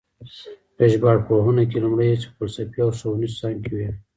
په ژبارواپوهنه کې لومړنۍ هڅې په فلسفي او ښوونیزو څانګو کې وې